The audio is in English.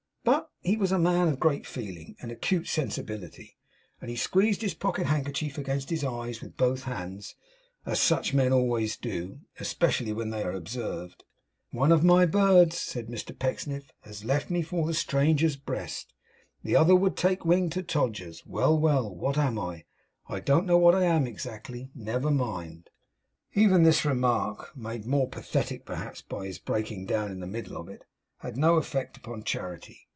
But he was a man of great feeling and acute sensibility; and he squeezed his pocket handkerchief against his eyes with both hands as such men always do, especially when they are observed. 'One of my birds,' Mr Pecksniff said, 'has left me for the stranger's breast; the other would take wing to Todgers's! Well, well, what am I? I don't know what I am, exactly. Never mind!' Even this remark, made more pathetic perhaps by his breaking down in the middle of it, had no effect upon Charity.